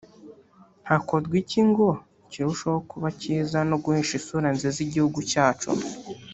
Hakorwa iki ngo kirusheho kuba cyiza no guhesha isura nziza igihugu cyacu